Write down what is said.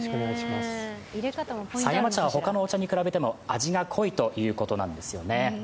狭山茶は他のお茶に比べても味が濃いということなんですよね。